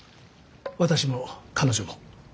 私も彼女も。